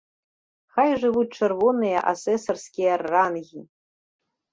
Хай жывуць чырвоныя асэсарскія рангі!